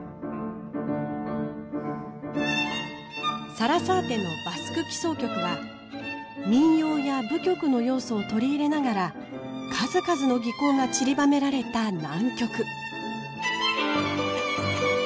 サラサーテの「バスク奇想曲」は民謡や舞曲の要素を取り入れながら数々の技巧がちりばめられた難曲。